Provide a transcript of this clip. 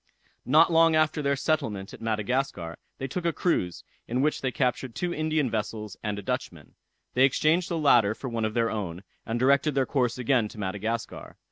Not long after their settlement at Madagascar, they took a cruise, in which they captured two Indian vessels and a Dutchman. They exchanged the latter for one of their own, and directed their course again to Madagascar.